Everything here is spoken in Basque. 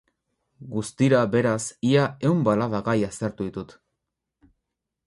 Guztira, beraz, ia ehun balada gai aztertu ditut.